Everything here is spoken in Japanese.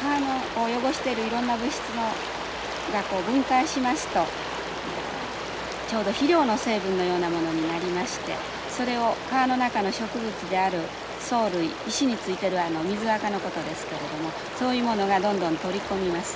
川を汚してるいろんな物質が分解しますとちょうど肥料の成分のようなものになりましてそれを川の中の植物である藻類石についているあの水アカのことですけれどもそういうものがどんどん取り込みます。